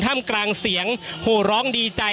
มกลางเสียงโหร้องดีใจ